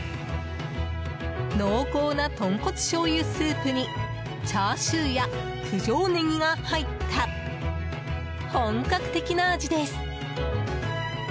濃厚な豚骨しょうゆスープにチャーシューや九条ネギが入った本格的な味です。